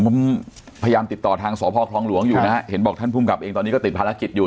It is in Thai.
ผมพยายามติดต่อทางสพคลองหลวงอยู่นะฮะเห็นบอกท่านภูมิกับเองตอนนี้ก็ติดภารกิจอยู่